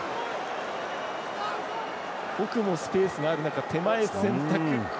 奥のスペースがある中手前選択。